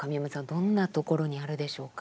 どんなところにあるでしょうか？